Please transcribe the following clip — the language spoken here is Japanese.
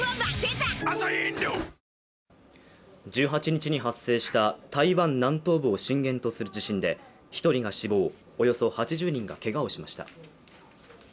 １８日に発生した台湾南東部を震源とする地震で１人が死亡、およそ８０人がけがをしました。